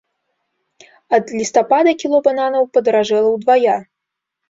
Ад лістапада кіло бананаў падаражэла ўдвая!